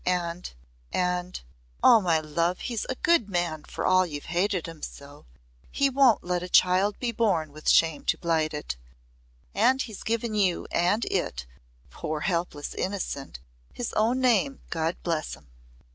And and Oh, my love, he's a good man, for all you've hated him so! He won't let a child be born with shame to blight it. And he's given you and it poor helpless innocent his own name, God bless him!"